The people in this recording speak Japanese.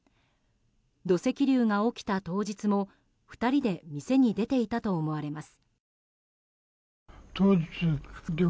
土石流が起きた当日も２人で店に出ていたと思われます。